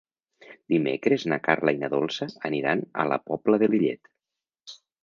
Dimecres na Carla i na Dolça aniran a la Pobla de Lillet.